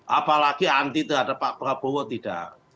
apalagi anti terhadap pak prabowo tidak